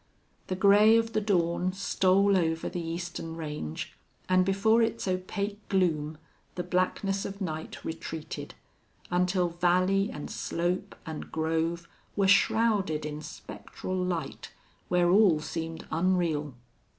The gray of the dawn stole over the eastern range, and before its opaque gloom the blackness of night retreated, until valley and slope and grove were shrouded in spectral light, where all seemed unreal.